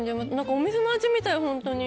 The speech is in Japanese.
お店の味みたい、本当に。